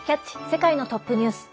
世界のトップニュース」。